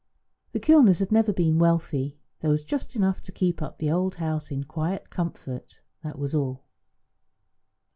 The Kilners had never been wealthy; there was just enough to keep up the old house in quiet comfort, and that was all.